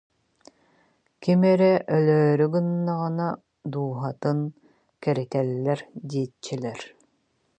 Ким эрэ өлөөрү гыннаҕына дууһатын кэритэллэр диэччилэр